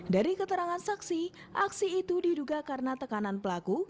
dari keterangan saksi aksi itu diduga karena tekanan pelaku